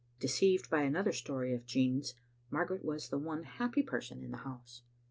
Deceived by another story of Jean's, Mar garet was the one happy person in the house.